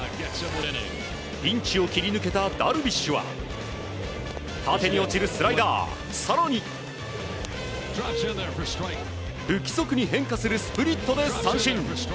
ピンチを切り抜けたダルビッシュは縦に落ちるスライダー、更に不規則に変化するスプリットで三振。